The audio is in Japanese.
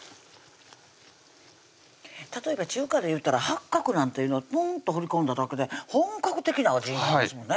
例えば中華で言ったら八角なんていうのぽんと放り込んだだけで本格的な味になりますもんね